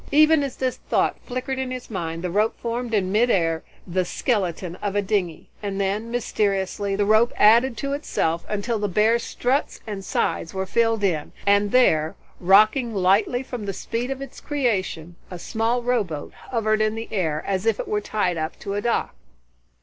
Even as this thought flickered in his mind, the rope formed in mid air the skeleton of a dingy, and then, mysteriously, the rope added to itself until the bare struts and sides were filled in and there, rocking lightly from the speed of its creation, a small row boat hovered in the air, as if it were tied up to a dock.